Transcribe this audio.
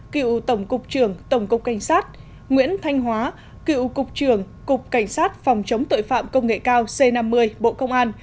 cựu tổng cục trưởng tổng cục cảnh sát nguyễn thanh hóa cựu cục trưởng cục cảnh sát phòng chống tội phạm công nghệ cao c năm mươi bộ công an